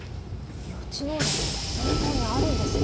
予知能力って本当にあるんですね。